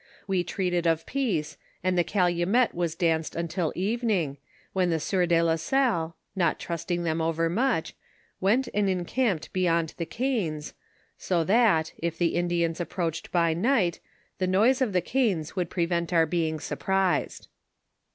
We treated of peace, and the calumet was danced till evening, when the sieur de la Salle, not trusting them overmuch, went and encamped beyond the canes, so that, if the Indians approached by night, the noise of the canes would prevent our being surprised.